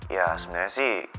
ya sebenernya sih